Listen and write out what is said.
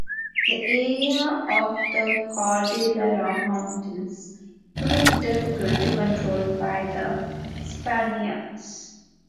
The area of the Cordillera mountains proved difficult to control by the Spaniards.